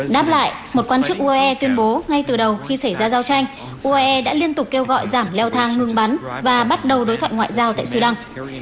đáp lại một quan chức uae tuyên bố ngay từ đầu khi xảy ra giao tranh uae đã liên tục kêu gọi giảm leo thang ngừng bắn và bắt đầu đối thoại ngoại giao tại sudan